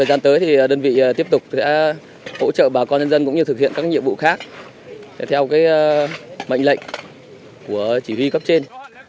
thời gian tới thì đơn vị tiếp tục sẽ hỗ trợ bà con nhân dân cũng như thực hiện các nhiệm vụ khác theo mệnh lệnh của chỉ huy cấp trên